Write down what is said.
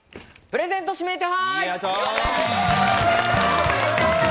プレゼント指名手配！